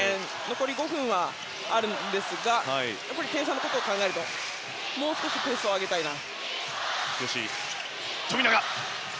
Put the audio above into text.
残り５分はあるんですが点差のことを考えるともう少しペースを上げたいな。